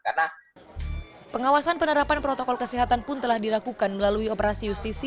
karena pengawasan penerapan protokol kesehatan pun telah dilakukan melalui operasi justisi